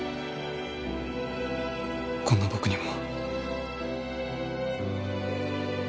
こんな僕にも。